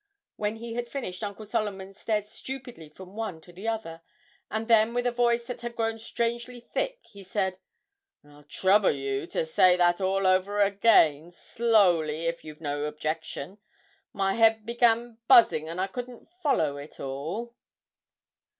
When he had finished, Uncle Solomon stared stupidly from one to the other, and then, with a voice that had grown strangely thick, he said, 'I'll trouble you to say that all over again slowly, if you've no objection. My head began buzzing, and I couldn't follow it all.'